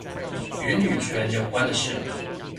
與女權有關的事